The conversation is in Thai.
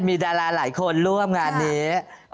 มีดาราหลายคนร่วมงานนี้